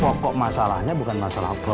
pokok masalahnya bukan masalah